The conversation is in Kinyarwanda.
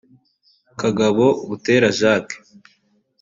Kagabo Butera Jack